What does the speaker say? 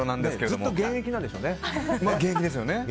ずっと現役なんですよね。